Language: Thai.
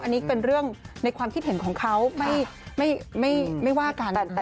อันนี้เป็นเรื่องในความคิดเห็นของเขาไม่ว่าการรกในความกักฝืนใจ